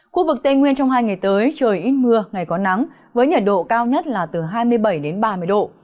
khu vực tây nguyên trong hai ngày tới trời ít mưa ngày có nắng với nhiệt độ cao nhất là từ hai mươi bảy đến ba mươi độ